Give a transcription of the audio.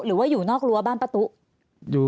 หรือว่าอยู่นอกรั้วบ้านป้าตุ๊ก